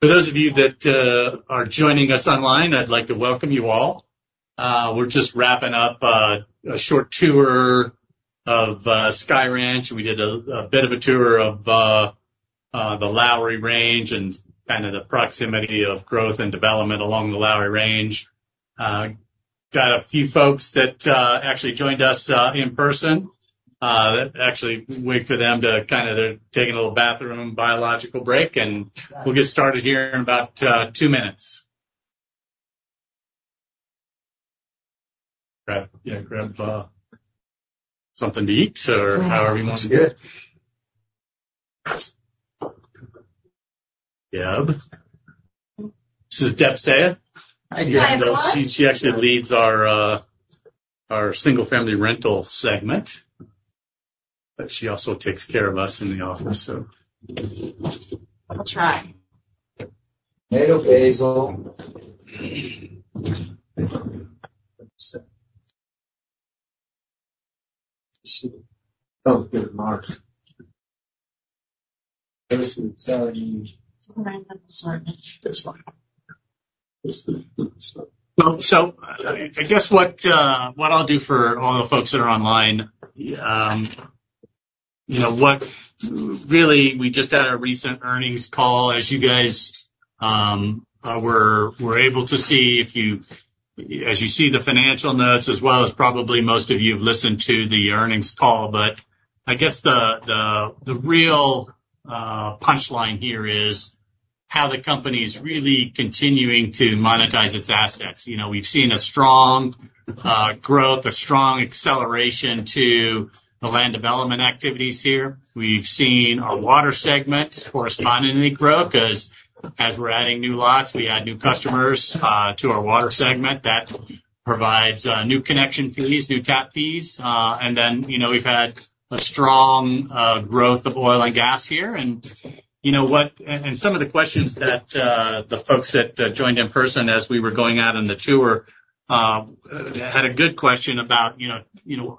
Okay. For those of you that are joining us online, I'd like to welcome you all. We're just wrapping up a short tour of Sky Ranch. We did a bit of a tour of the Lowry Range and kind of the proximity of growth and development along the Lowry Range. Got a few folks that actually joined us in person that actually wait for them to kind of-- they're taking a little bathroom, biological break, and we'll get started here in about two minutes. Grab, yeah, grab something to eat or however you want to do it. Deb. This is Deb Saya. Hi, Deb. She actually leads our single-family rental segment, but she also takes care of us in the office, so- I'll try. Tomato basil. Oh, good, Mark. So I guess what, what I'll do for all the folks that are online, you know, really, we just had a recent earnings call, as you guys were able to see, as you see the financial notes, as well as probably most of you have listened to the earnings call. But I guess the real punchline here is, how the company is really continuing to monetize its assets. You know, we've seen a strong growth, a strong acceleration to the land development activities here. We've seen our water segment correspondingly grow, 'cause as we're adding new lots, we add new customers to our water segment. That provides new connection fees, new tap fees, and then, you know, we've had a strong growth of oil and gas here. And you know what? And some of the questions that the folks that joined in person as we were going out on the tour had a good question about, you know: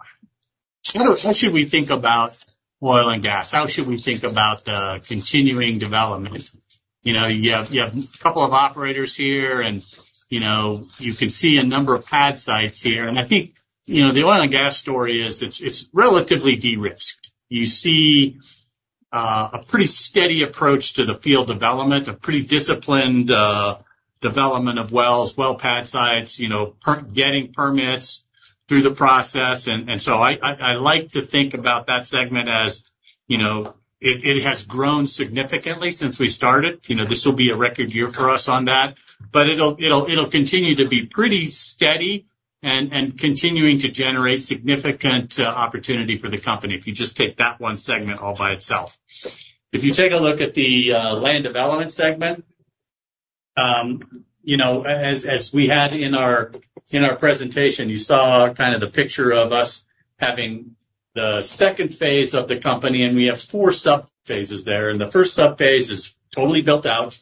How should we think about oil and gas? How should we think about continuing development? You know, you have a couple of operators here, and, you know, you can see a number of pad sites here. And I think, you know, the oil and gas story is, it's relatively de-risked. You see, a pretty steady approach to the field development, a pretty disciplined development of wells, well pad sites, you know, getting permits through the process. And so I like to think about that segment as, you know, it has grown significantly since we started. You know, this will be a record year for us on that, but it'll continue to be pretty steady and continuing to generate significant opportunity for the company, if you just take that one segment all by itself. If you take a look at the land development segment, you know, as we had in our presentation, you saw kind of the picture of us having the second phase of the company, and we have four subphases there, and the first subphase is totally built out.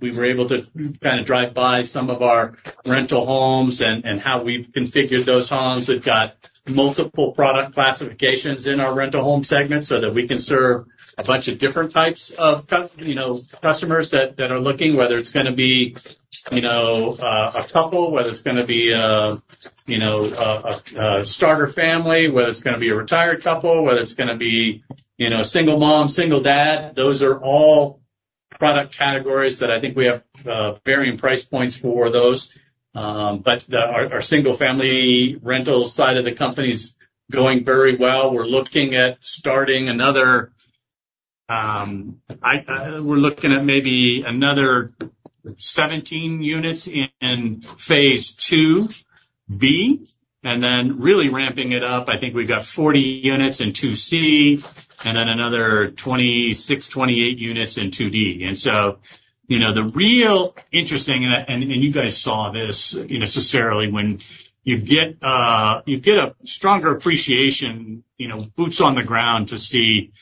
We were able to kind of drive by some of our rental homes and how we've configured those homes. We've got multiple product classifications in our rental home segment so that we can serve a bunch of different types of customers that are looking, whether it's gonna be, you know, a couple, whether it's gonna be, you know, a starter family, whether it's gonna be a retired couple, whether it's gonna be, you know, a single mom, single dad. Those are all product categories that I think we have varying price points for those. But our single-family rental side of the company's going very well. We're looking at starting another. We're looking at maybe another 17 units in Phase 2B, and then really ramping it up. I think we've got 40 units in 2C, and then another 26, 28 units in 2D. So, you know, the real interesting, and you guys saw this necessarily, when you get, you get a stronger appreciation, you know, boots on the ground to see,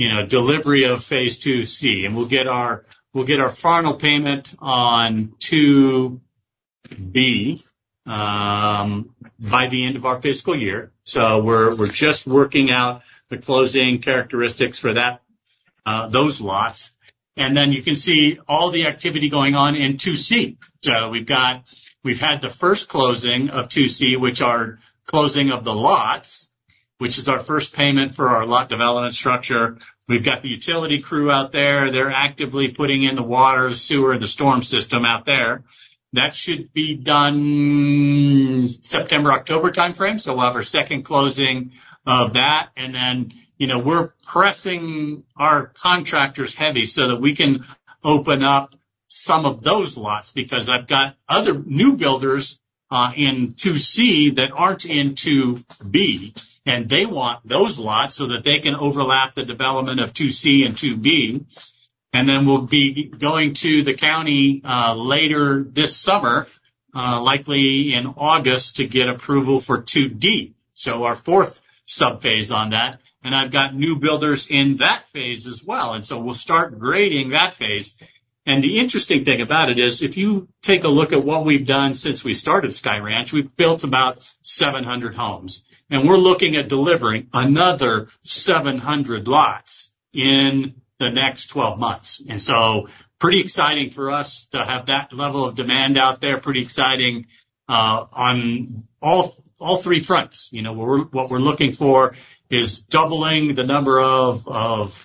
you know, delivery of Phase 2C. And we'll get our, we'll get our final payment on 2B, by the end of our fiscal year. So we're, we're just working out the closing characteristics for that, those lots. And then you can see all the activity going on in 2C. So we've got we've had the first closing of 2C, which are closing of the lots, which is our first payment for our lot development structure. We've got the utility crew out there. They're actively putting in the water, sewer, and the storm system out there. That should be done September, October timeframe. So we'll have our second closing of that, and then, you know, we're pressing our contractors heavy so that we can open up some of those lots, because I've got other new builders in 2C that aren't in 2B, and they want those lots so that they can overlap the development of 2C and 2B. And then we'll be going to the county later this summer, likely in August, to get approval for 2D, so our fourth subphase on that. And the interesting thing about it is, if you take a look at what we've done since we started Sky Ranch, we've built about 700 homes, and we're looking at delivering another 700 lots in the next 12 months. And so pretty exciting for us to have that level of demand out there. Pretty exciting on all three fronts. You know, what we're looking for is doubling the number of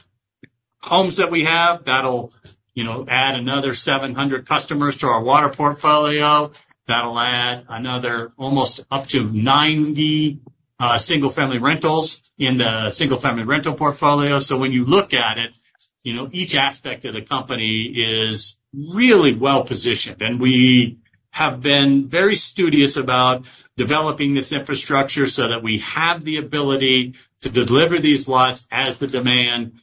homes that we have, that'll, you know, add another 700 customers to our water portfolio. That'll add another almost up to 90 single-family rentals in the single-family rental portfolio. So when you look at it, you know, each aspect of the company is really well-positioned, and we have been very studious about developing this infrastructure so that we have the ability to deliver these lots as the demand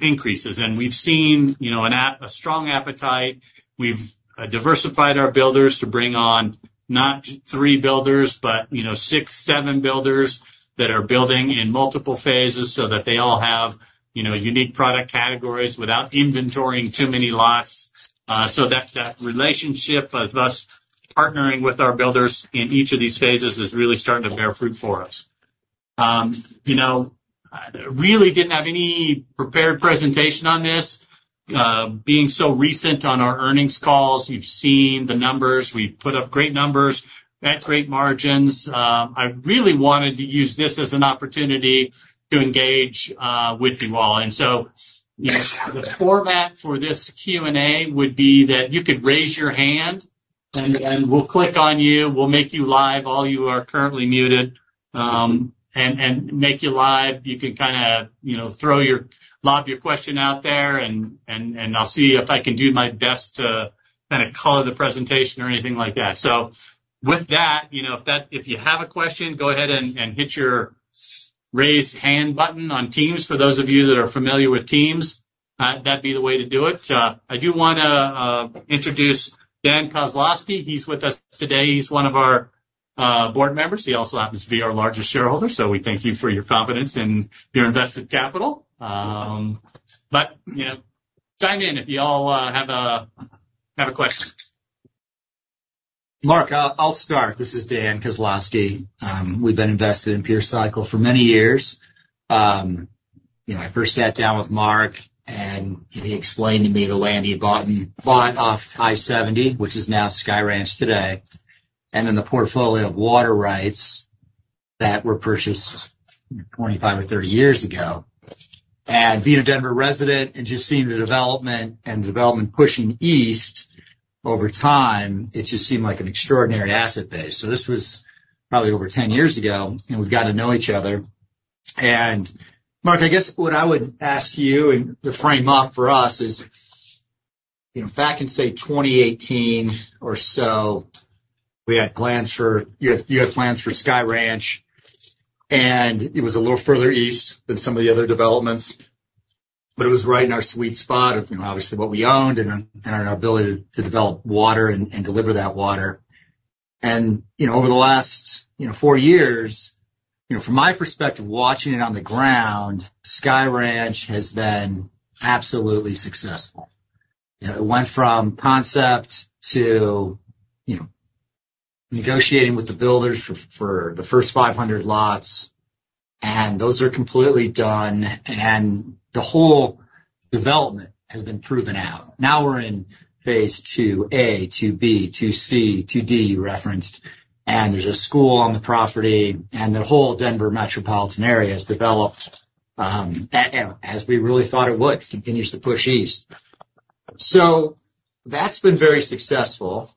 increases. And we've seen, you know, a strong appetite. We've diversified our builders to bring on not just 3 builders, but you know, 6, 7 builders that are building in multiple phases so that they all have, you know, unique product categories without inventorying too many lots. So that, that relationship of us partnering with our builders in each of these phases is really starting to bear fruit for us. You know, really didn't have any prepared presentation on this. Being so recent on our earnings calls, you've seen the numbers. We've put up great numbers at great margins. I really wanted to use this as an opportunity to engage with you all. And so, you know, the format for this Q&A would be that you could raise your hand, and we'll click on you. We'll make you live. All of you are currently muted, and make you live. You can kinda, you know, lob your question out there, and I'll see if I can do my best to kinda color the presentation or anything like that. So with that, you know, if you have a question, go ahead and hit your raise hand button on Teams. For those of you that are familiar with Teams, that'd be the way to do it. I do wanna introduce Dan Kozlowski. He's with us today. He's one of our board members. He also happens to be our largest shareholder, so we thank you for your confidence in your invested capital. But, you know, chime in if you all have a question. Mark, I'll start. This is Dan Kozlowski. We've been invested in Pure Cycle for many years. You know, I first sat down with Mark, and he explained to me the land he had bought off I-70, which is now Sky Ranch today, and then the portfolio of water rights that were purchased 25 or 30 years ago. And being a Denver resident and just seeing the development and the development pushing east over time, it just seemed like an extraordinary asset base. So this was probably over 10 years ago, and we've got to know each other. And Mark, I guess what I would ask you and to frame off for us is, you know, if I can say 2018 or so, we had plans for... You had plans for Sky Ranch, and it was a little further east than some of the other developments, but it was right in our sweet spot of, you know, obviously what we owned and our ability to develop water and deliver that water. And, you know, over the last 4 years, you know, from my perspective, watching it on the ground, Sky Ranch has been absolutely successful. You know, it went from concept to, you know, negotiating with the builders for the first 500 lots, and those are completely done, and the whole development has been proven out. Now we're in Phase 2A, 2B, 2C, 2D, you referenced, and there's a school on the property, and the whole Denver metropolitan area has developed, and as we really thought it would, continues to push east. So that's been very successful,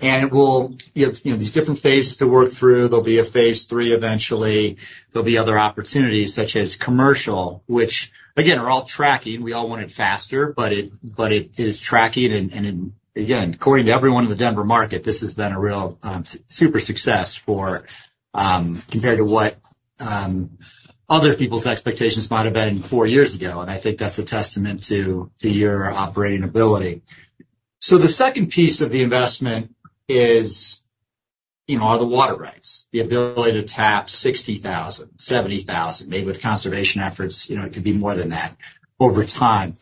and it will, you have, you know, these different phases to work through. There'll be a Phase 3 eventually. There'll be other opportunities, such as commercial, which again, are all tracking. We all want it faster, but it, but it is tracking. And, and again, according to everyone in the Denver market, this has been a real, super success for, compared to what, other people's expectations might have been four years ago, and I think that's a testament to, to your operating ability. So the second piece of the investment is, you know, are the water rights, the ability to tap 60,000, 70,000, maybe with conservation efforts, you know, it could be more than that over time.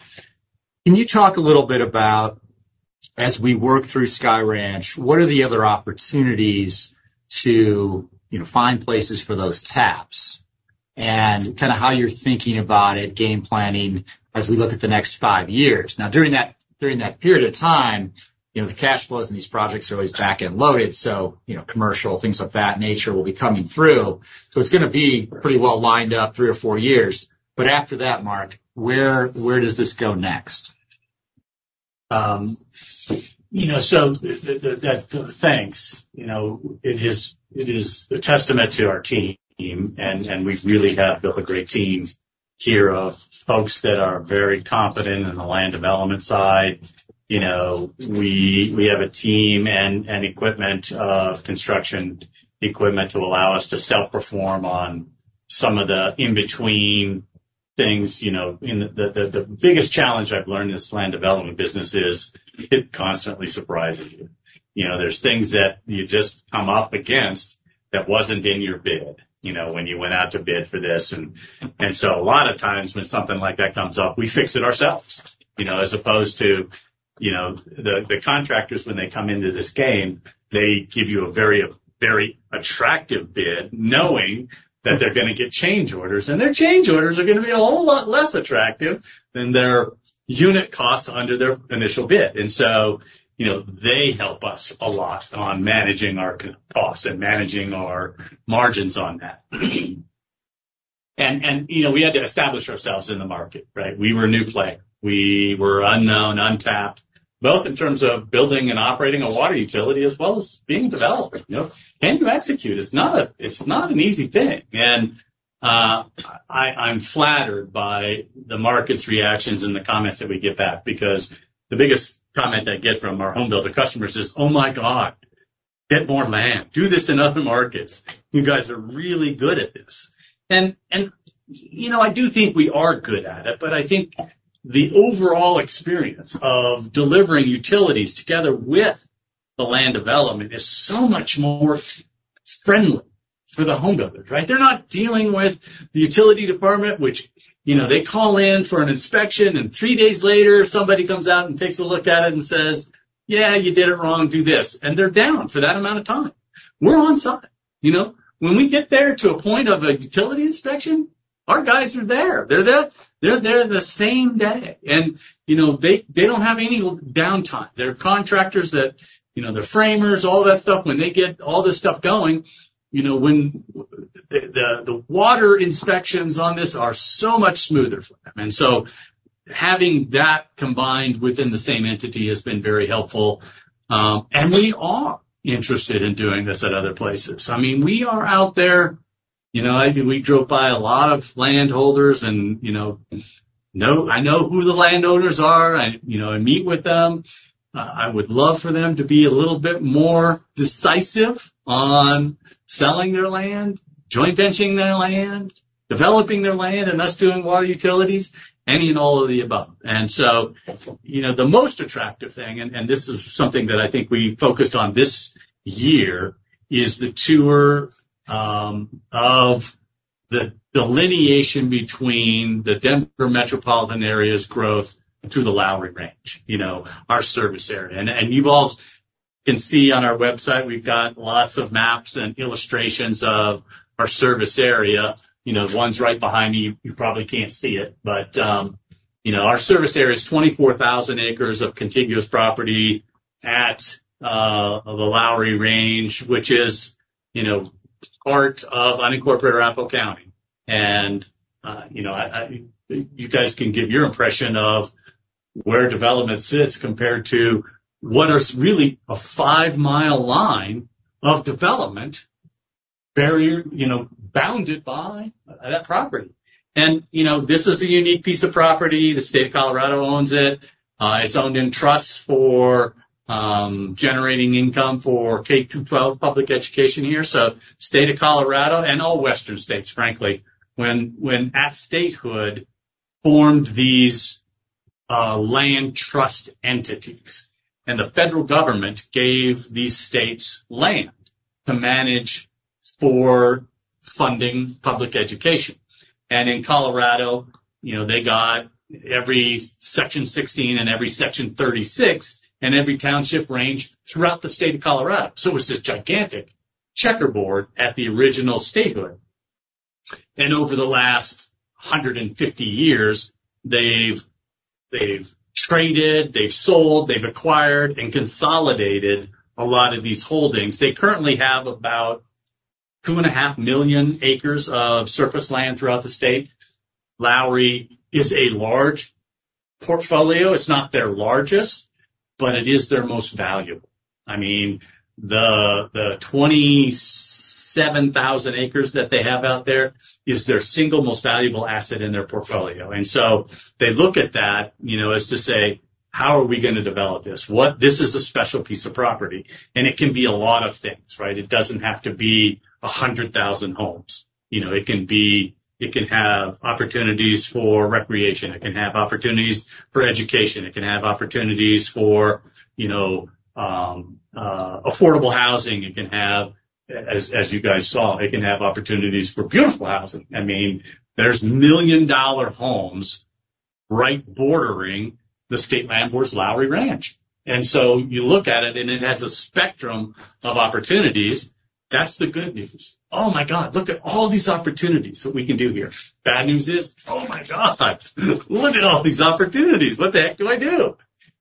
Can you talk a little bit about, as we work through Sky Ranch, what are the other opportunities to, you know, find places for those taps? And kinda how you're thinking about it, game planning, as we look at the next five years. Now, during that, during that period of time, you know, the cash flows in these projects are always back and loaded, so, you know, commercial, things of that nature will be coming through. So it's gonna be pretty well lined up three or four years. But after that, Mark, where, where does this go next? You know, thanks. It is a testament to our team, and we really have built a great team here of folks that are very competent in the land development side. You know, we have a team and equipment, construction equipment to allow us to self-perform on some of the in-between things, you know. And the biggest challenge I've learned in this land development business is it constantly surprises you. You know, there's things that you just come up against that wasn't in your bid, you know, when you went out to bid for this. And so a lot of times when something like that comes up, we fix it ourselves, you know, as opposed to, you know, the contractors, when they come into this game, they give you a very attractive bid, knowing that they're gonna get change orders, and their change orders are gonna be a whole lot less attractive than their unit costs under their initial bid. And so, you know, they help us a lot on managing our costs and managing our margins on that. ...And, and, you know, we had to establish ourselves in the market, right? We were a new player. We were unknown, untapped, both in terms of building and operating a water utility, as well as being a developer, you know. Can you execute? It's not an easy thing. And, I'm flattered by the market's reactions and the comments that we get back, because the biggest comment I get from our home builder customers is: "Oh, my God! Get more land. Do this in other markets. You guys are really good at this." And, you know, I do think we are good at it, but I think the overall experience of delivering utilities together with the land development is so much more friendly for the home builders, right? They're not dealing with the utility department, which, you know, they call in for an inspection, and three days later, somebody comes out and takes a look at it and says, "Yeah, you did it wrong. Do this." And they're down for that amount of time. We're on site, you know? When we get there to a point of a utility inspection, our guys are there. They're there, they're there the same day, and, you know, they, they don't have any downtime. They're contractors that, you know, they're framers, all that stuff. When they get all this stuff going, you know, when the water inspections on this are so much smoother for them. And so having that combined within the same entity has been very helpful. And we are interested in doing this at other places. I mean, we are out there. You know, we drove by a lot of landholders and, you know, I know who the landowners are, and, you know, I meet with them. I would love for them to be a little bit more decisive on selling their land, joint venturing their land, developing their land, and us doing water utilities, any and all of the above. So, you know, the most attractive thing, and this is something that I think we focused on this year, is the true delineation between the Denver metropolitan area's growth to the Lowry Range, you know, our service area. And you all can see on our website, we've got lots of maps and illustrations of our service area, you know, one's right behind me, you probably can't see it. But you know, our service area is 24,000 acres of contiguous property at the Lowry Range, which is, you know, part of unincorporated Arapahoe County. And you guys can give your impression of where development sits compared to what is really a 5-mile line of development barrier, you know, bounded by that property. And you know, this is a unique piece of property. The State of Colorado owns it. It's owned in trust for generating income for K-12 public education here. So State of Colorado and all western states, frankly, when at statehood, formed these land trust entities, and the federal government gave these states land to manage for funding public education. And in Colorado, you know, they got every Section 16 and every Section 36 and every township range throughout the State of Colorado. So it was this gigantic checkerboard at the original statehood. And over the last 150 years, they've traded, they've sold, they've acquired, and consolidated a lot of these holdings. They currently have about 2.5 million acres of surface land throughout the state. Lowry is a large portfolio. It's not their largest, but it is their most valuable. I mean, the twenty-seven thousand acres that they have out there is their single most valuable asset in their portfolio. And so they look at that, you know, as to say: How are we gonna develop this? What-- This is a special piece of property, and it can be a lot of things, right? It doesn't have to be a hundred thousand homes. You know, it can be... It can have opportunities for recreation. It can have opportunities for education. It can have opportunities for, you know, affordable housing. It can have, as, as you guys saw, it can have opportunities for beautiful housing. I mean, there's million-dollar homes right bordering the State Land Board's Lowry Ranch. And so you look at it, and it has a spectrum of opportunities. That's the good news. Oh, my God! Look at all these opportunities that we can do here. Bad news is: Oh, my God! Look at all these opportunities. What the heck do I do?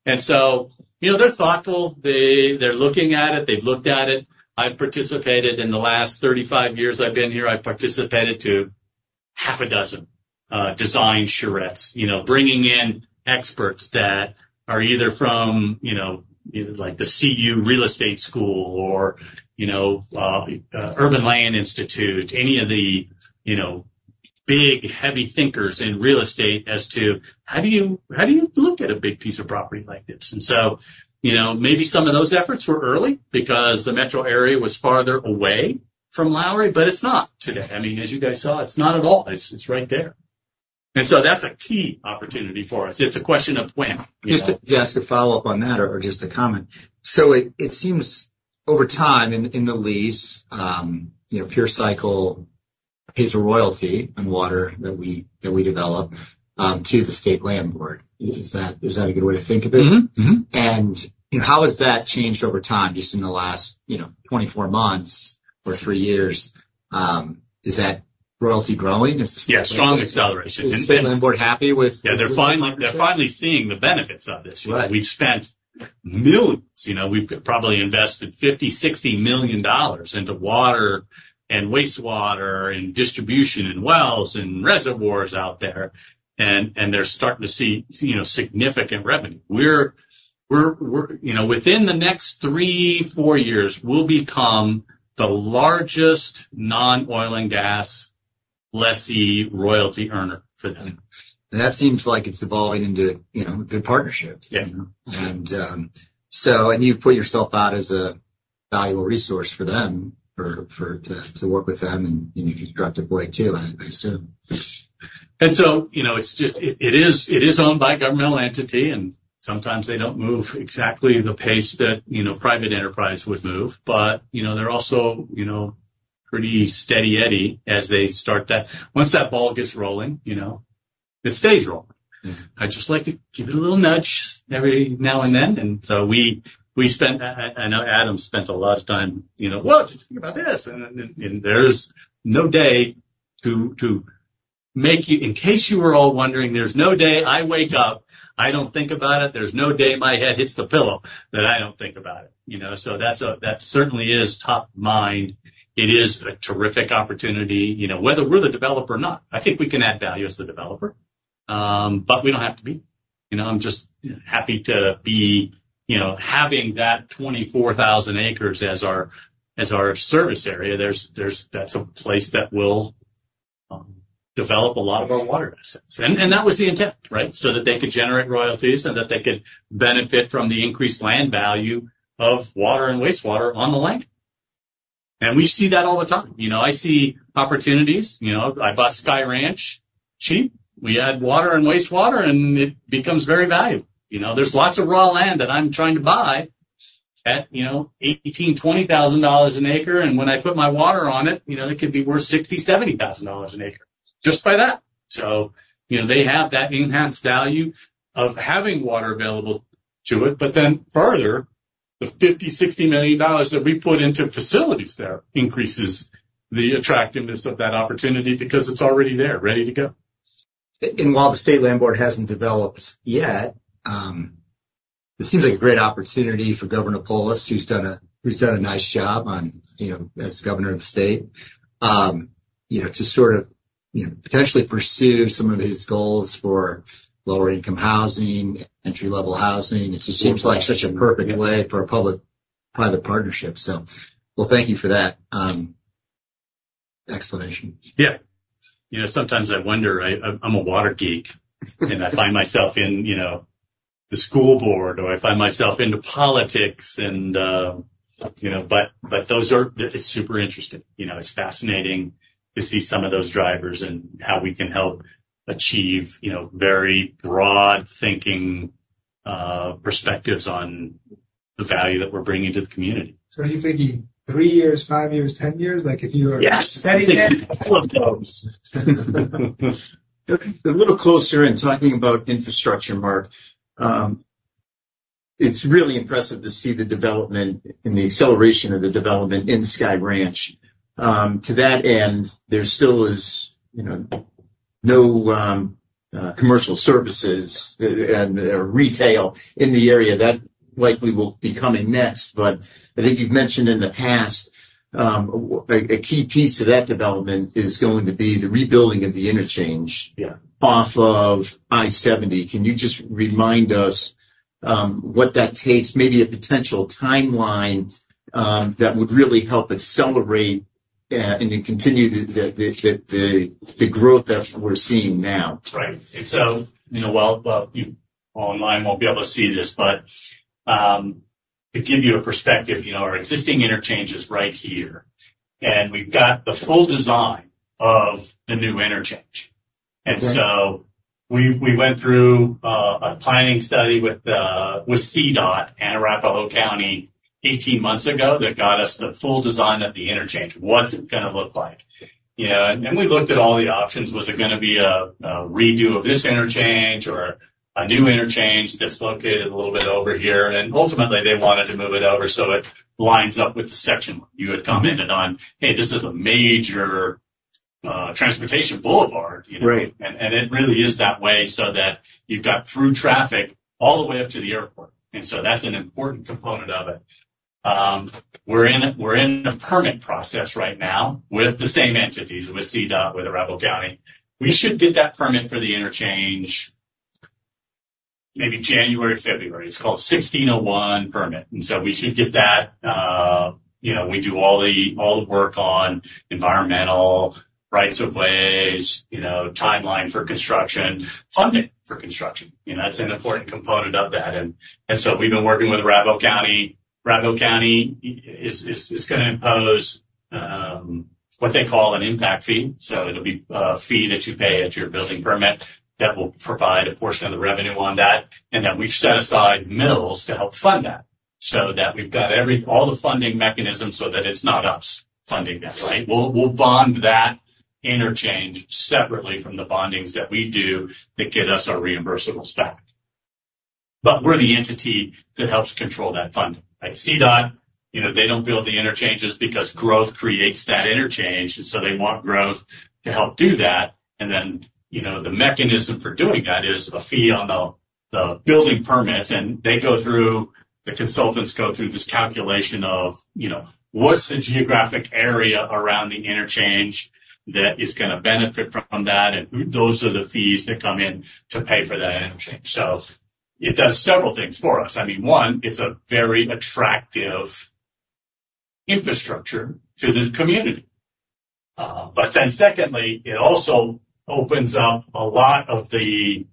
And so, you know, they're thoughtful. They, they're looking at it. They've looked at it. I've participated... in the last 35 years I've been here, I've participated to 6 design charrettes, you know, bringing in experts that are either from, you know, either, like, the CU Real Estate School or, you know, Urban Land Institute, any of the, you know, big, heavy thinkers in real estate as to, how do you, how do you look at a big piece of property like this? And so, you know, maybe some of those efforts were early because the metro area was farther away from Lowry, but it's not today. I mean, as you guys saw, it's not at all. It's, it's right there. And so that's a key opportunity for us. It's a question of when. Just to, just to follow up on that or just a comment. So it, it seems over time in, in the lease, you know, Pure Cycle pays a royalty on water that we, that we develop, to the State Land Board. Is that, is that a good way to think of it? Mm-hmm. Mm-hmm. How has that changed over time, just in the last, you know, 24 months or 3 years? Is that royalty growing? Is the- Yeah, strong acceleration. Is the land board happy with- Yeah, they're finally, they're finally seeing the benefits of this. Right. We've spent millions, you know, we've probably invested $50 million-$60 million into water and wastewater, and distribution, and wells, and reservoirs out there, and they're starting to see, you know, significant revenue. We're, you know, within the next 3-4 years, we'll become the largest non-oil and gas lessee royalty earner for them. That seems like it's evolving into, you know, good partnerships. Yeah. And so you've put yourself out as a valuable resource for them to work with them in a constructive way, too, I assume. So, you know, it's just, it is owned by a governmental entity, and sometimes they don't move exactly the pace that, you know, private enterprise would move, but, you know, they're also, you know, pretty steady Eddie as they start that. Once that ball gets rolling, you know, it stays rolling. Mm-hmm. I just like to give it a little nudge every now and then, and so we spent, I know Adam spent a lot of time, you know, "Well, did you think about this?" And there's no day to make you - in case you were all wondering, there's no day I wake up, I don't think about it. There's no day my head hits the pillow that I don't think about it, you know? So that's a... That certainly is top of mind. It is a terrific opportunity, you know, whether we're the developer or not. I think we can add value as the developer, but we don't have to be. You know, I'm just happy to be, you know, having that 24,000 acres as our, as our service area. There's—That's a place that will develop a lot of our water assets. And that was the intent, right? So that they could generate royalties and that they could benefit from the increased land value of water and wastewater on the land. And we see that all the time. You know, I see opportunities, you know, I bought Sky Ranch cheap. We add water and wastewater, and it becomes very valuable. You know, there's lots of raw land that I'm trying to buy at, you know, $18,000-$20,000 an acre, and when I put my water on it, you know, it could be worth $60,000-$70,000 an acre just by that. you know, they have that enhanced value of having water available to it, but then further, the $50 million-$60 million that we put into facilities there increases the attractiveness of that opportunity because it's already there, ready to go. While the State Land Board hasn't developed yet, it seems like a great opportunity for Governor Polis, who's done a nice job on, you know, as governor of the state, you know, to sort of, you know, potentially pursue some of his goals for lower-income housing, entry-level housing. It just seems like such a perfect way for a public-private partnership. So well, thank you for that explanation. Yeah. You know, sometimes I wonder, I'm a water geek, and I find myself in, you know, the school board, or I find myself into politics and, you know, but, but those are... It's super interesting. You know, it's fascinating to see some of those drivers and how we can help achieve, you know, very broad thinking, perspectives on the value that we're bringing to the community. Are you thinking 3 years, 5 years, 10 years? Like, if you are- Yes! Ten years. All of those. A little closer in talking about infrastructure, Mark. It's really impressive to see the development and the acceleration of the development in Sky Ranch. To that end, there still is, you know, no commercial services and retail in the area. That likely will be coming next, but I think you've mentioned in the past, a key piece to that development is going to be the rebuilding of the interchange- Yeah. off of I-70. Can you just remind us what that takes? Maybe a potential timeline that would really help accelerate and then continue the growth that we're seeing now. Right. So, you know, well, you all online won't be able to see this, but to give you a perspective, you know, our existing interchange is right here, and we've got the full design of the new interchange. Great. And so we, we went through a planning study with with CDOT and Arapahoe County 18 months ago that got us the full design of the interchange. What's it gonna look like? You know, and we looked at all the options. Was it gonna be a, a redo of this interchange or a new interchange that's located a little bit over here? And ultimately, they wanted to move it over, so it lines up with the section you had commented on. Hey, this is a major transportation boulevard, you know? Right. It really is that way so that you've got through traffic all the way up to the airport, and so that's an important component of it. We're in the permit process right now with the same entities, with CDOT, with Arapahoe County. We should get that permit for the interchange, maybe January, February. It's called 1601 permit, and so we should get that. You know, we do all the work on environmental rights-of-way, you know, timeline for construction, funding for construction. You know, that's an important component of that, and so we've been working with Arapahoe County. Arapahoe County is gonna impose what they call an impact fee. So it'll be a fee that you pay at your building permit that will provide a portion of the revenue on that, and then we've set aside mills to help fund that so that we've got all the funding mechanisms so that it's not us funding that, right? We'll bond that interchange separately from the bondings that we do to get us our reimbursables back. But we're the entity that helps control that funding, right? CDOT. You know, they don't build the interchanges because growth creates that interchange, and so they want growth to help do that. And then, you know, the mechanism for doing that is a fee on the building permits, and the consultants go through this calculation of, you know, what's the geographic area around the interchange that is gonna benefit from that? And those are the fees that come in to pay for that interchange. So it does several things for us. I mean, one, it's a very attractive infrastructure to the community. But then secondly, it also opens up a lot of the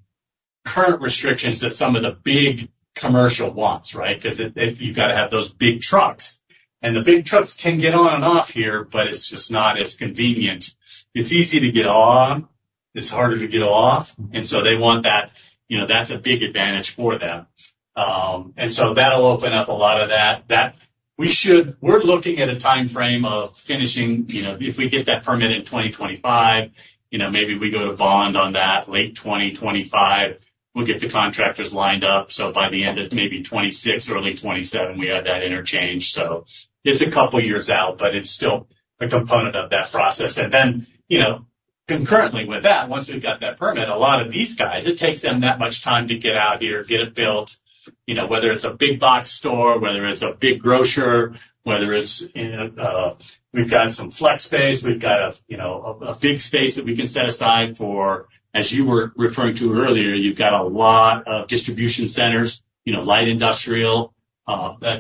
current restrictions that some of the big commercial wants, right? Because it, you've got to have those big trucks, and the big trucks can get on and off here, but it's just not as convenient. It's easy to get on, it's harder to get off, and so they want that. You know, that's a big advantage for them. And so that'll open up a lot of that. We're looking at a time frame of finishing, you know, if we get that permit in 2025, you know, maybe we go to bond on that late 2025. We'll get the contractors lined up, so by the end of maybe 2026 or early 2027, we have that interchange. So it's a couple of years out, but it's still a component of that process. And then, you know, concurrently with that, once we've got that permit, a lot of these guys, it takes them that much time to get out here, get it built, you know, whether it's a big box store, whether it's a big grocer, whether it's, you know, we've got some flex space, we've got a, you know, a big space that we can set aside for, as you were referring to earlier, you've got a lot of distribution centers, you know, light industrial,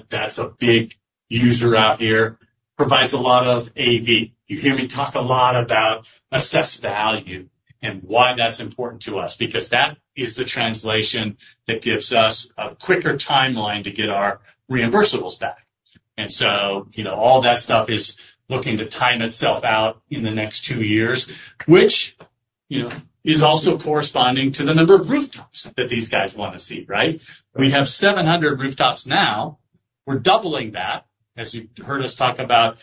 that's a big user out here. Provides a lot of AV. You hear me talk a lot about assessed value and why that's important to us, because that is the translation that gives us a quicker timeline to get our reimbursables back. And so, you know, all that stuff is looking to time itself out in the next 2 years, which, you know, is also corresponding to the number of rooftops that these guys want to see, right? We have 700 rooftops now. We're doubling that, as you've heard us talk about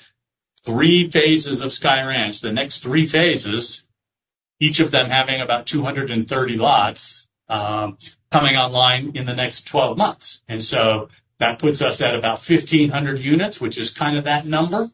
three phases of Sky Ranch, the next three phases, each of them having about 230 lots, coming online in the next 12 months. And so that puts us at about 1,500 units, which is kind of that number,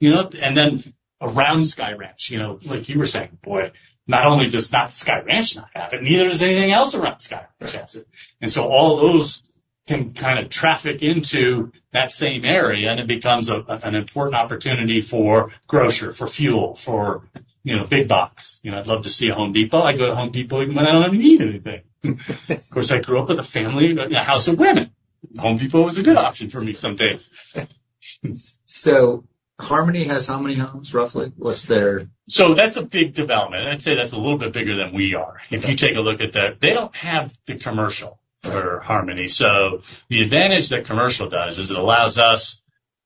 you know? And then around Sky Ranch, you know, like you were saying, boy, not only does not Sky Ranch not have it, neither does anything else around Sky Ranch have it. And so all those can kind of traffic into that same area, and it becomes a, an important opportunity for grocer, for fuel, for, you know, big box. You know, I'd love to see a Home Depot. I go to Home Depot even when I don't even need anything. Of course, I grew up with a family, a house of women. Home Depot was a good option for me some days. So Harmony has how many homes, roughly? What's their- So that's a big development. I'd say that's a little bit bigger than we are. If you take a look at that, they don't have the commercial for Harmony. So the advantage that commercial does is it allows us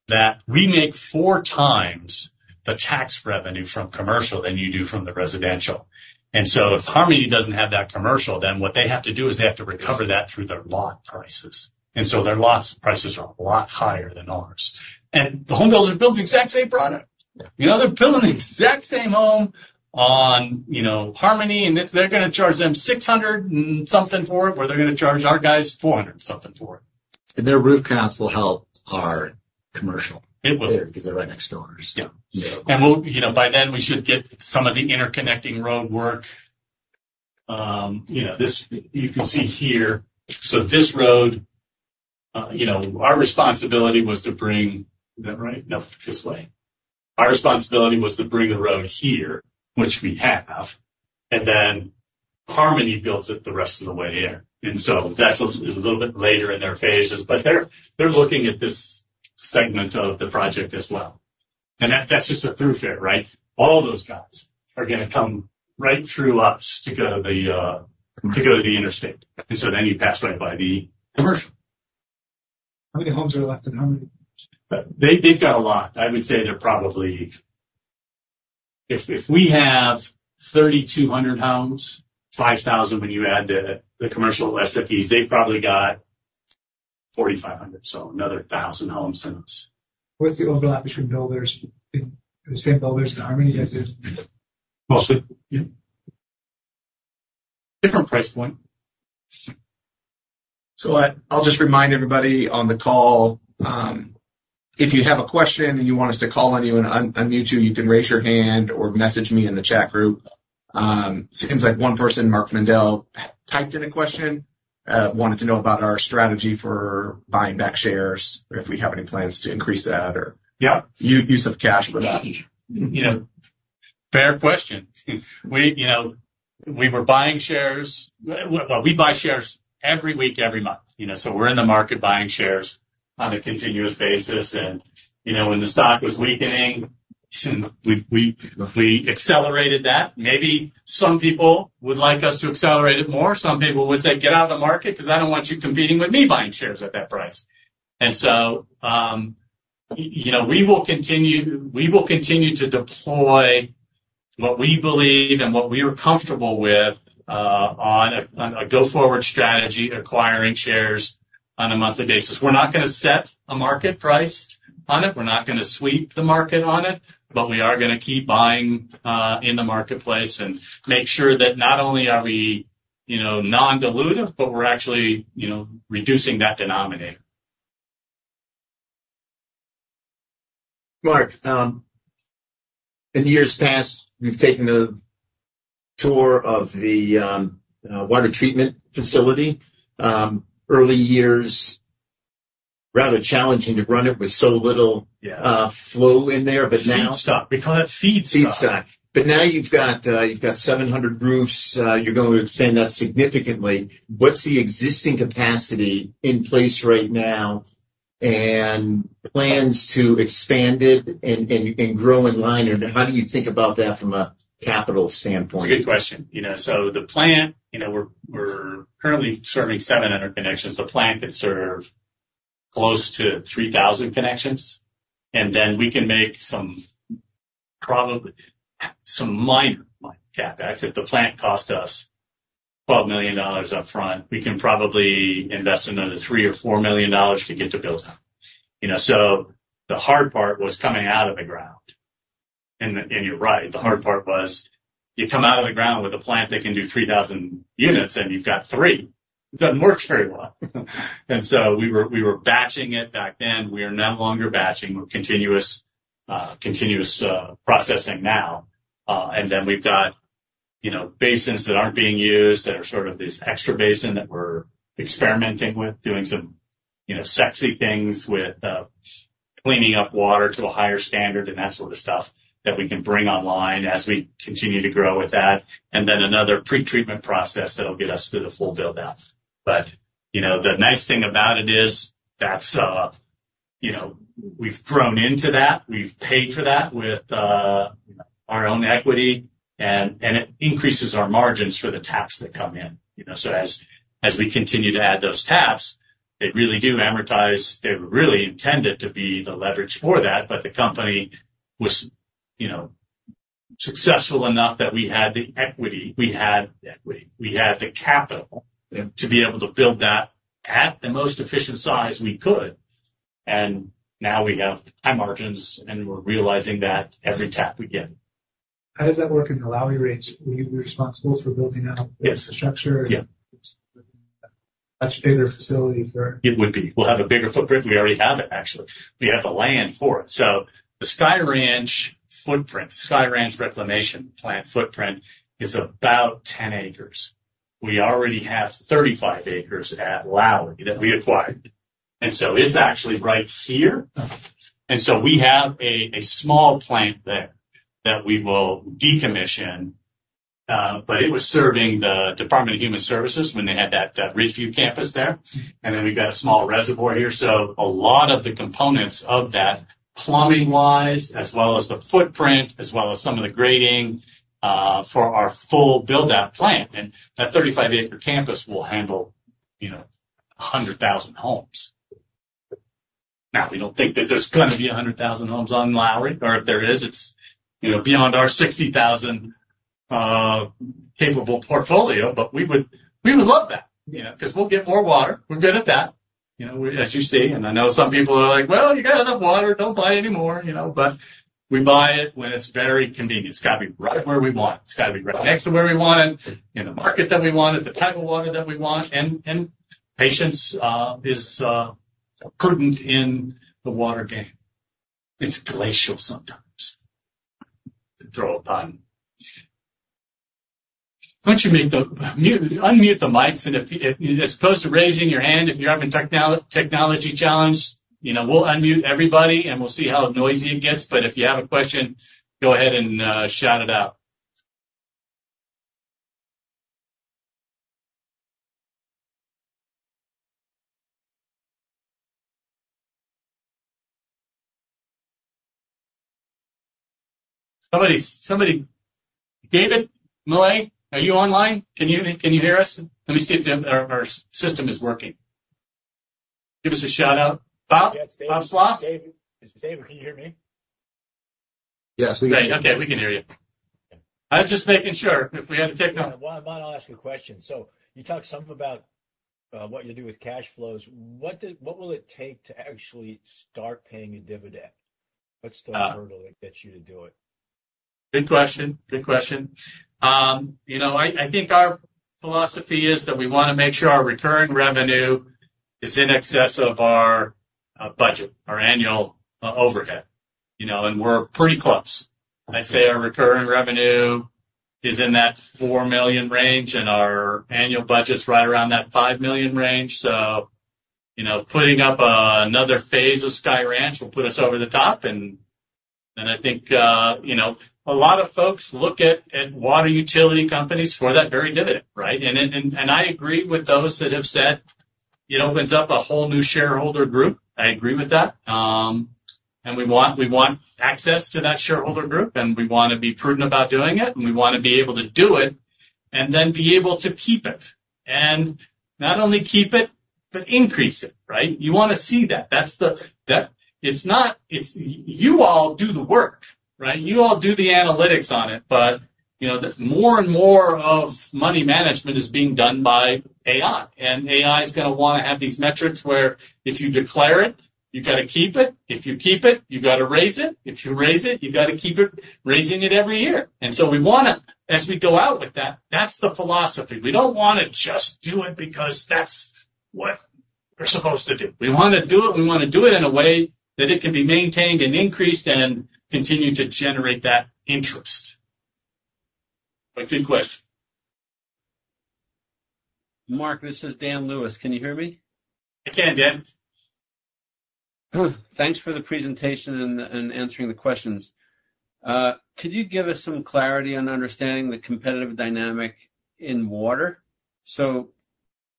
that we make 4 times the tax revenue from commercial than you do from the residential. And so if Harmony doesn't have that commercial, then what they have to do is they have to recover that through their lot prices. And so their lot prices are a lot higher than ours. And the homebuilders are building the exact same product. You know, they're building the exact same home on, you know, Harmony, and it's—they're gonna charge them $600 and something for it, where they're gonna charge our guys $400 and something for it. And their roof counts will help our commercial- It will. because they're right next door. Yeah. So. And we'll... You know, by then, we should get some of the interconnecting roadwork. You know, this, you can see here. So this road, our responsibility was to bring... Is that right? No, this way. Our responsibility was to bring the road here, which we have, and then Harmony builds it the rest of the way here. And so that's a little bit later in their phases, but they're looking at this segment of the project as well. And that's just a thoroughfare, right? All those guys are gonna come right through us to go to the interstate, and so then you pass right by the commercial. How many homes are left in Harmony? They've got a lot. I would say they're probably... If, if we have 3,200 homes, 5,000, when you add the, the commercial SFDs, they've probably got 4,500, so another 1,000 homes than us. What's the overlap between builders, the same builders and Harmony guys do? Mostly. Yeah. Different price point. So I, I'll just remind everybody on the call, if you have a question and you want us to call on you and unmute you, you can raise your hand or message me in the chat group. Seems like one person, Mark Mandel, typed in a question, wanted to know about our strategy for buying back shares, if we have any plans to increase that or- Yeah. Use of cash for that. You know, fair question. We, you know, we were buying shares. Well, we buy shares every week, every month, you know, so we're in the market buying shares on a continuous basis. And, you know, when the stock was weakening, we accelerated that. Maybe some people would like us to accelerate it more. Some people would say, "Get out of the market because I don't want you competing with me buying shares at that price." And so, you know, we will continue to deploy what we believe and what we are comfortable with, on a go-forward strategy, acquiring shares on a monthly basis. We're not gonna set a market price on it. We're not gonna sweep the market on it, but we are gonna keep buying in the marketplace and make sure that not only are we-... You know, non-dilutive, but we're actually, you know, reducing that denominator. Mark, in years past, we've taken a tour of the water treatment facility. Early years, rather challenging to run it with so little- Yeah. flow in there, but now- Feedstock. We call that feedstock. Feedstock. But now you've got 700 roofs. You're going to expand that significantly. What's the existing capacity in place right now and plans to expand it and grow in line? And how do you think about that from a capital standpoint? It's a good question. You know, so the plant, you know, we're, we're currently serving 700 connections. The plant could serve close to 3,000 connections, and then we can make some, probably some minor, minor CapEx. If the plant cost us $12 million upfront, we can probably invest another $3 million-$4 million to get to build time. You know, so the hard part was coming out of the ground. And, and you're right, the hard part was you come out of the ground with a plant that can do 3,000 units, and you've got three. It doesn't work very well. And so we were, we were batching it back then. We are no longer batching. We're continuous, continuous, processing now. And then we've got, you know, basins that aren't being used that are sort of this extra basin that we're experimenting with, doing some, you know, sexy things with, cleaning up water to a higher standard and that sort of stuff, that we can bring online as we continue to grow with that, and then another pretreatment process that'll get us to the full build-out. But, you know, the nice thing about it is that's, you know, we've grown into that. We've paid for that with our own equity, and, and it increases our margins for the taps that come in, you know? So as, as we continue to add those taps, they really do amortize... They were really intended to be the leverage for that, but the company was, you know, successful enough that we had the equity. We had the equity. We had the capital to be able to build that at the most efficient size we could, and now we have high margins, and we're realizing that every tap we get. How does that work in the Lowry Range? We're responsible for building out- Yes. -the infrastructure? Yeah. Much bigger facility for- It would be. We'll have a bigger footprint. We already have it, actually. We have the land for it. So the Sky Ranch footprint, Sky Ranch Reclamation Plant footprint is about 10 acres. We already have 35 acres at Lowry that we acquired, and so it's actually right here. And so we have a small plant there that we will decommission, but it was serving the Department of Human Services when they had that Ridgeview Campus there. And then we've got a small reservoir here, so a lot of the components of that, plumbing-wise, as well as the footprint, as well as some of the grading for our full build-out plant. And that 35 acre campus will handle, you know, 100,000 homes. Now, we don't think that there's gonna be 100,000 homes on Lowry, or if there is, it's, you know, beyond our 60,000 capable portfolio, but we would, we would love that, you know, 'cause we'll get more water. We're good at that, you know, as you see, and I know some people are like, "Well, you got enough water. Don't buy any more," you know, but we buy it when it's very convenient. It's gotta be right where we want it. It's gotta be right next to where we want it, in the market that we want it, the type of water that we want, and patience is prudent in the water game. It's glacial sometimes to draw upon. Why don't you make the... Mute, unmute the mics, and if, as opposed to raising your hand, if you're having technology challenge, you know, we'll unmute everybody, and we'll see how noisy it gets. But if you have a question, go ahead and shout it out. Somebody... David Maley, are you online? Can you hear us? Let me see if our system is working. Give us a shout-out. Bob? Yeah, it's David. Bob Sloss? David. It's David. Can you hear me? Yes, we can. Great. Okay, we can hear you. I was just making sure if we had a techno- Well, why don't I ask a question? So you talked some about what you do with cash flows. What will it take to actually start paying a dividend? What's the hurdle that gets you to do it? Good question. Good question. You know, I think our philosophy is that we wanna make sure our recurring revenue is in excess of our budget, our annual overhead, you know, and we're pretty close. I'd say our recurring revenue is in that $4 million range, and our annual budget's right around that $5 million range. So, you know, putting up another phase of Sky Ranch will put us over the top, and I think, you know, a lot of folks look at water utility companies for that very dividend, right? And I agree with those that have said it opens up a whole new shareholder group. I agree with that. and we want, we want access to that shareholder group, and we wanna be prudent about doing it, and we wanna be able to do it and then be able to keep it, and not only keep it, but increase it, right? You wanna see that. That's the... It's not, it's, you all do the work, right? You all do the analytics on it, but, you know, the more and more of money management is being done by AI, and AI is gonna wanna have these metrics where if you declare it... You got to keep it. If you keep it, you got to raise it. If you raise it, you got to keep it, raising it every year. And so we want to, as we go out with that, that's the philosophy. We don't want to just do it because that's what we're supposed to do. We want to do it, and we want to do it in a way that it can be maintained and increased and continue to generate that interest. But good question. Mark, this is Dan Lewis. Can you hear me? I can, Dan. Thanks for the presentation and answering the questions. Could you give us some clarity on understanding the competitive dynamic in water? So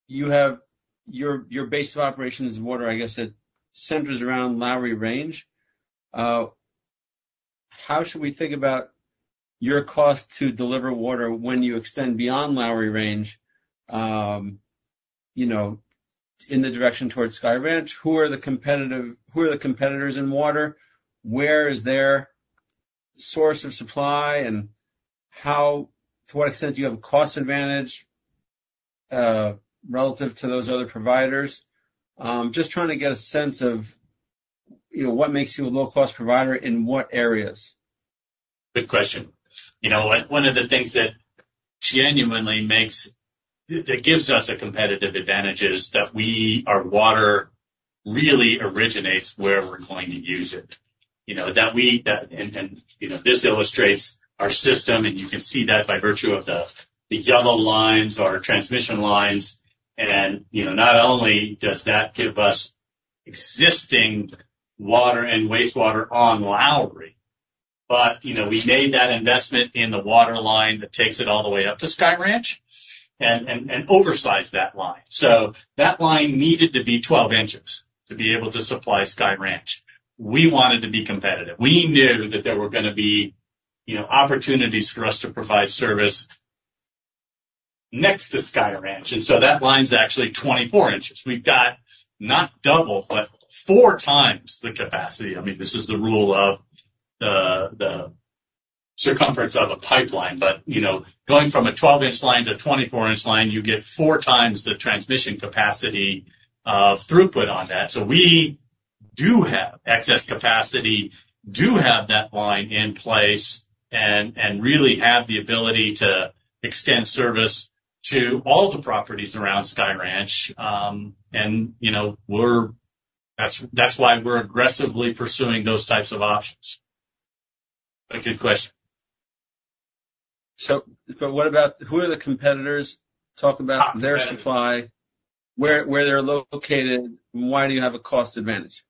you have your base of operations is water, I guess, it centers around Lowry Range. How should we think about your cost to deliver water when you extend beyond Lowry Range, you know, in the direction towards Sky Ranch? Who are the competitors in water? Where is their source of supply, and how to what extent do you have a cost advantage relative to those other providers? Just trying to get a sense of, you know, what makes you a low-cost provider in what areas. Good question. You know, one of the things that genuinely gives us a competitive advantage is that our water really originates where we're going to use it. You know. And you know, this illustrates our system, and you can see that by virtue of the yellow lines are transmission lines. And you know, not only does that give us existing water and wastewater on Lowry, but you know, we made that investment in the water line that takes it all the way up to Sky Ranch and oversized that line. So that line needed to be 12 inches to be able to supply Sky Ranch. We wanted to be competitive. We knew that there were gonna be, you know, opportunities for us to provide service next to Sky Ranch, and so that line's actually 24 inches. We've got not double, but four times the capacity. I mean, this is the rule of the circumference of a pipeline, but, you know, going from a 12-inch line to a 24-inch line, you get four times the transmission capacity of throughput on that. So we do have excess capacity, do have that line in place, and really have the ability to extend service to all the properties around Sky Ranch. And, you know, we're, that's why we're aggressively pursuing those types of options. A good question. So, but what about—who are the competitors? Talk about their supply, where, where they're located, and why do you have a cost advantage?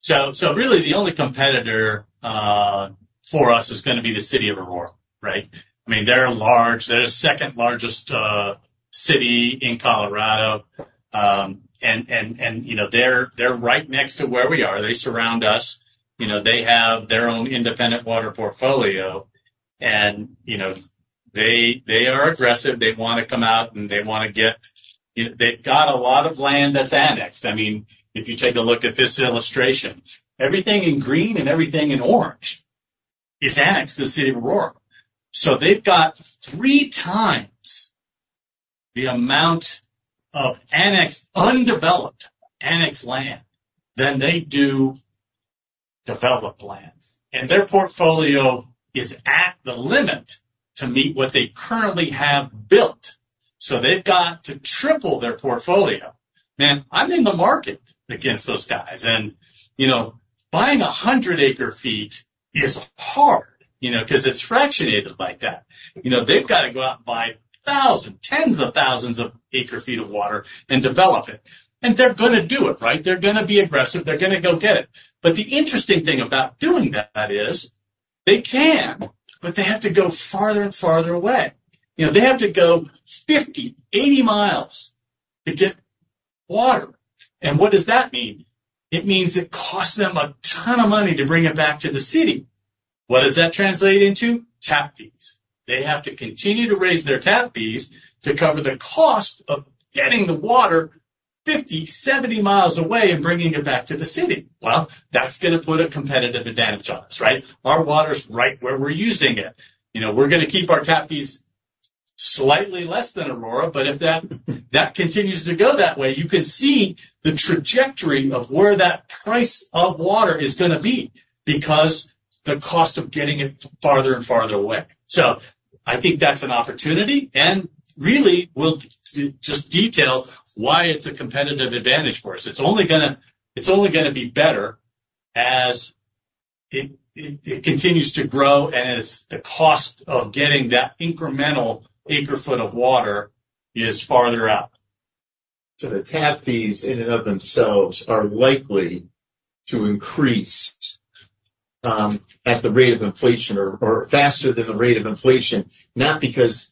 So, so really, the only competitor for us is gonna be the City of Aurora, right? I mean, they're large. They're the second-largest city in Colorado. And, you know, they're right next to where we are. They surround us. You know, they have their own independent water portfolio, and, you know, they are aggressive. They want to come out, and they want to get... They've got a lot of land that's annexed. I mean, if you take a look at this illustration, everything in green and everything in orange is annexed to the City of Aurora. So they've got three times the amount of annexed, undeveloped annexed land than they do developed land, and their portfolio is at the limit to meet what they currently have built. So they've got to triple their portfolio. Man, I'm in the market against those guys, and, you know, buying 100 acre-feet is hard, you know, because it's fractionated like that. You know, they've got to go out and buy thousands, tens of thousands of acre-feet of water and develop it, and they're gonna do it, right? They're gonna be aggressive. They're gonna go get it. But the interesting thing about doing that is they can, but they have to go farther and farther away. You know, they have to go 50, 80 miles to get water. And what does that mean? It means it costs them a ton of money to bring it back to the city. What does that translate into? Tap fees. They have to continue to raise their tap fees to cover the cost of getting the water 50, 70 miles away and bringing it back to the city. Well, that's gonna put a competitive advantage on us, right? Our water's right where we're using it. You know, we're gonna keep our tap fees slightly less than Aurora, but if that continues to go that way, you can see the trajectory of where that price of water is gonna be, because the cost of getting it farther and farther away. So I think that's an opportunity, and really, we'll just detail why it's a competitive advantage for us. It's only gonna be better as it continues to grow, and as the cost of getting that incremental acre-foot of water is farther out. The tap fees in and of themselves are likely to increase at the rate of inflation or faster than the rate of inflation, not because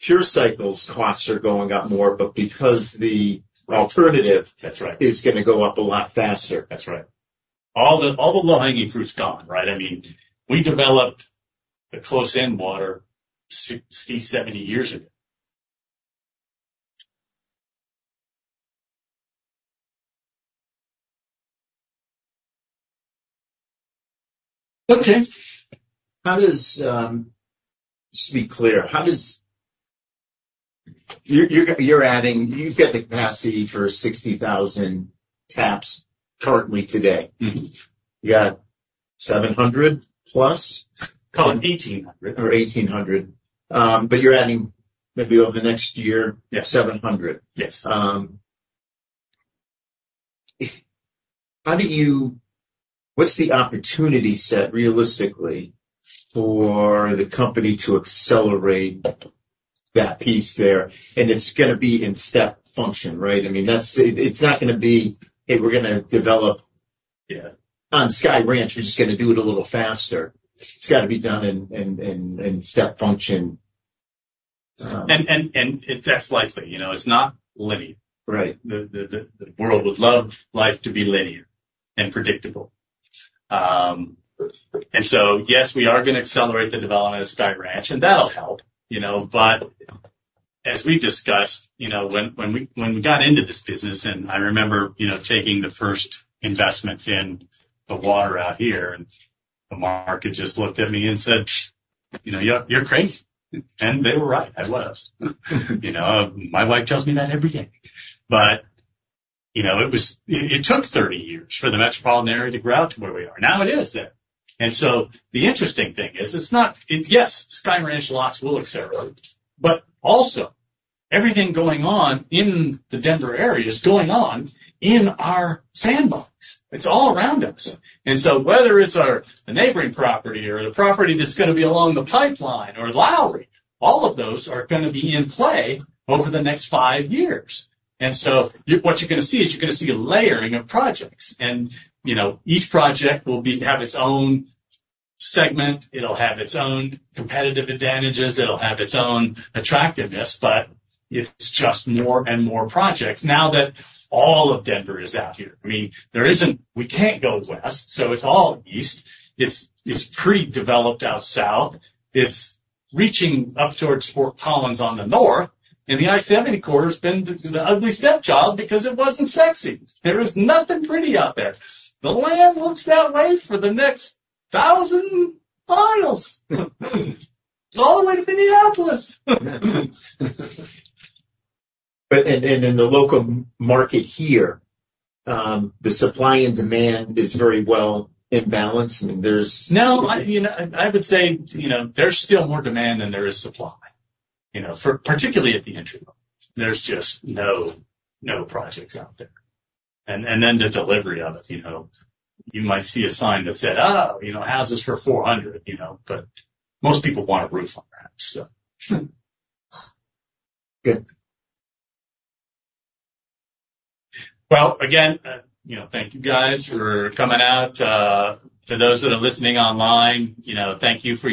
Pure Cycle's costs are going up more, but because the alternative- That's right. is gonna go up a lot faster. That's right. All the, all the low-hanging fruit's gone, right? I mean, we developed the close-in water 60, 70 years ago. ... Okay. Just to be clear, how does, you're adding, you've got the capacity for 60,000 taps currently today? Mm-hmm. You got 700+? Call it 1,800. Or 1,800. But you're adding maybe over the next year, yeah, 700. Yes. How do you—what's the opportunity set, realistically, for the company to accelerate that piece there? And it's gonna be in step function, right? I mean, that's—it's not gonna be, hey, we're gonna develop- Yeah. on Sky Ranch. We're just gonna do it a little faster. It's gotta be done in step function. And that's likely, you know, it's not linear. Right. The world would love life to be linear and predictable. And so, yes, we are gonna accelerate the development of Sky Ranch, and that'll help, you know. But as we discussed, you know, when we got into this business, and I remember, you know, taking the first investments in the water out here, and the market just looked at me and said, "You know, you're crazy." And they were right. I was. You know, my wife tells me that every day. But, you know, it was. It took 30 years for the metropolitan area to grow out to where we are. Now, it is there. And so the interesting thing is, it's not— Yes, Sky Ranch lots will accelerate, but also, everything going on in the Denver area is going on in our sandbox. It's all around us. And so whether it's our neighboring property or the property that's gonna be along the pipeline or Lowry, all of those are gonna be in play over the next five years. And so what you're gonna see is you're gonna see a layering of projects, and, you know, each project will be, have its own segment, it'll have its own competitive advantages, it'll have its own attractiveness, but it's just more and more projects now that all of Denver is out here. I mean, there isn't, we can't go west, so it's all east. It's pretty developed out south. It's reaching up towards Fort Collins on the north, and the I-70 corridor's been the ugly stepchild because it wasn't sexy. There is nothing pretty out there. The land looks that way for the next 1,000 miles, all the way to Minneapolis. the local market here, the supply and demand is very well in balance, and there's- No, I, you know, I would say, you know, there's still more demand than there is supply, you know, for particularly at the entry level. There's just no, no projects out there. And, and then the delivery of it, you know, you might see a sign that said, oh, you know, houses for $400, you know, but most people want a roof on their house, so. Good. Well, again, you know, thank you guys for coming out, for those that are listening online, you know, thank you for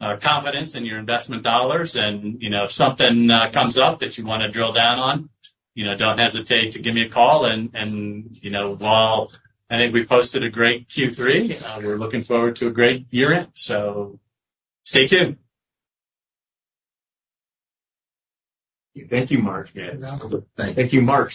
your continued confidence in your investment dollars. And, you know, if something comes up that you wanna drill down on, you know, don't hesitate to give me a call. And, you know, while I think we posted a great Q3, we're looking forward to a great year-end, so stay tuned. Thank you, Mark. You're welcome. Thank you, Mark.